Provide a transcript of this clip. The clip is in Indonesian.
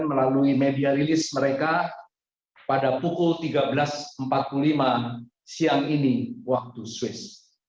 melalui media rilis mereka pada pukul tiga belas empat puluh lima siang ini waktu swiss